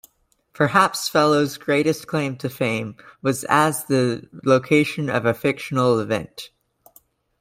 Perhaps Fellows' greatest claim to fame was as the location of a fictional event.